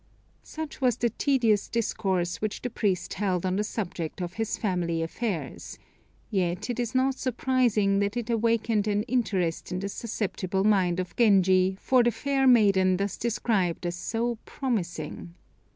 Such was the tedious discourse which the priest held on the subject of his family affairs; yet it is not surprising that it awakened an interest in the susceptible mind of Genji for the fair maiden thus described as so promising.